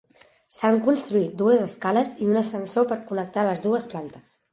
S'han construït dues escales i un ascensor per connectar les dues plantes.